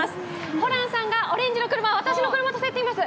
ホランさんがオレンジの車私の車と競っています。